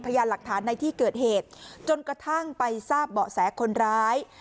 พยานหลักฐานในที่เกิดเหตุจนกระทั่งไปทราบเบาะแสคนร้าย